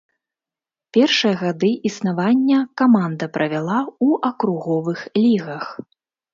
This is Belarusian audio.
Першыя гады існавання каманда правяла ў акруговых лігах.